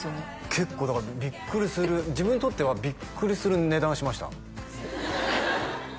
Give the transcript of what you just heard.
結構だからビックリする自分にとってはビックリする値段しました